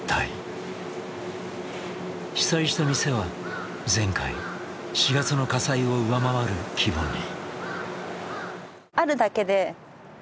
被災した店は前回４月の火災を上回る規模に。